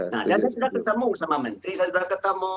nah dan saya sudah ketemu sama menteri saya sudah ketemu